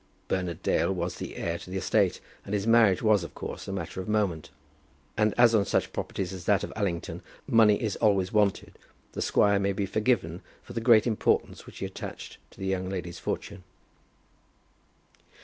Bernard Dale was the heir to the estate, and his marriage was of course a matter of moment; and as on such properties as that of Allington money is always wanted, the squire may be forgiven for the great importance which he attached to the young lady's fortune.